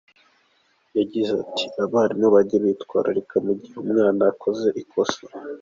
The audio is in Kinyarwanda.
Yagize ati “Abarimu bajye bitwararika mu gihe umwana akoze ikosa.